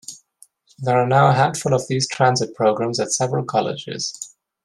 There are now a handful of these transit programs at several colleges.